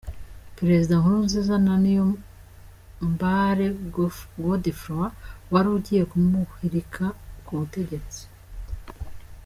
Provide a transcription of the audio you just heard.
Perezida Nkurunziza na Niyombare Godefroid wari ugiye kumuhirika ku butegetsi.